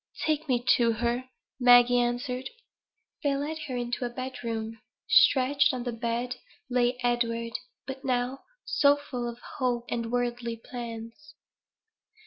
"Take me to her," Maggie answered. They led her into a bed room. Stretched on the bed lay Edward, but now so full of hope and worldly plans.